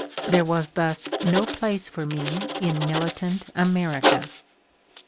There was thus no place for me in militant America.